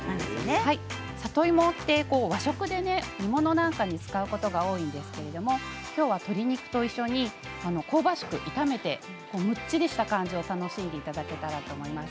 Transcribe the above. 里芋って和食で煮物などに使うことが多いんですけれどきょうは鶏肉と一緒に香ばしく炒めてもっちりした感じを楽しんでいただければと思います。